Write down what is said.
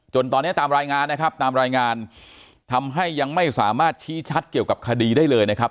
ตอนนี้ตามรายงานนะครับตามรายงานทำให้ยังไม่สามารถชี้ชัดเกี่ยวกับคดีได้เลยนะครับ